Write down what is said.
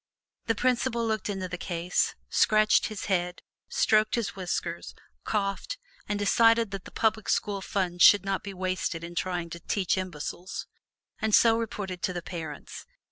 The principal looked into the case, scratched his head, stroked his whiskers, coughed, and decided that the public school funds should not be wasted in trying to "teach imbeciles," and so reported to the parents.